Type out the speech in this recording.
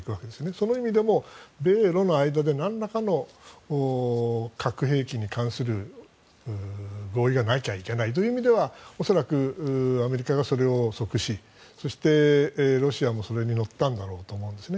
その意味でも米ロの間でなんらかの核兵器に関する合意がなきゃいけないという意味では恐らくアメリカがそれを予測しそしてロシアもそれに乗ったんだろうと思うんです。